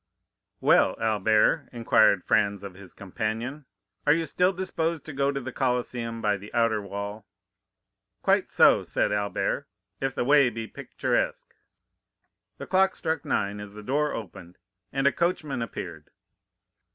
"Well, Albert," inquired Franz of his companion, "are you still disposed to go to the Colosseum by the outer wall?" "Quite so," said Albert, "if the way be picturesque." The clock struck nine as the door opened, and a coachman appeared.